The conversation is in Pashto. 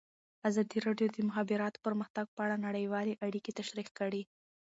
ازادي راډیو د د مخابراتو پرمختګ په اړه نړیوالې اړیکې تشریح کړي.